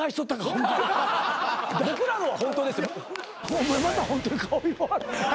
お前またホントに顔色。